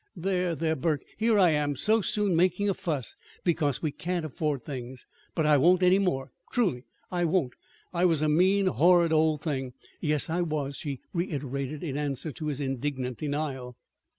"There, there, Burke, here I am, so soon, making a fuss because we can't afford things! But I won't any more truly I won't! I was a mean, horrid old thing! Yes, I was," she reiterated in answer to his indignant denial.